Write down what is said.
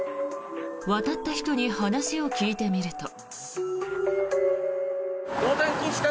渡った人に話を聞いてみると。